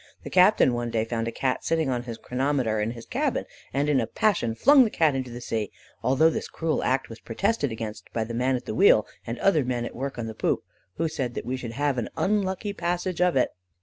The captain one day found a Cat sitting on his chronometer in his cabin, and in a passion flung the Cat into the sea, although this cruel act was protested against by the man at the wheel and other men at work on the poop, who said that we should have an unlucky passage of it.